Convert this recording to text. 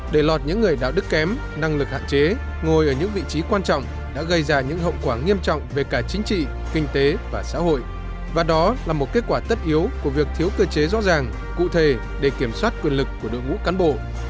để lọt những người đạo đức kém năng lực hạn chế ngồi ở những vị trí quan trọng đã gây ra những hậu quả nghiêm trọng về cả chính trị kinh tế và xã hội và đó là một kết quả tất yếu của việc thiếu cơ chế rõ ràng cụ thể để kiểm soát quyền lực của đội ngũ cán bộ